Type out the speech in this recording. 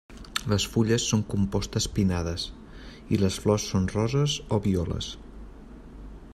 Les fulles són compostes pinnades i les flors són roses o violes.